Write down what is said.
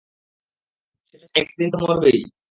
শেষমেশ, একদিন তো মরবেই।